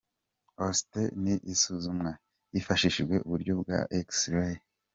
Osteoarthritis isuzumwa hifashishijwe uburyo bwa X-ray.